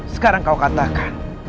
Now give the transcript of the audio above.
sekarang kau katakan